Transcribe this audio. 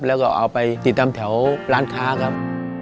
แล้วก็เอาไปติดตามแถวร้านค้าครับ